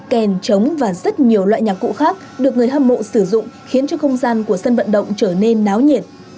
kèn trống và rất nhiều loại nhạc cụ khác được người hâm mộ sử dụng khiến cho không gian của sân vận động trở nên náo nhiệt